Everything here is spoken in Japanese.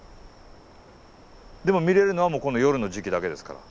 でも見れるのはもうこの夜の時期だけですから。